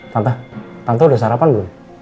tante udah sarapan belum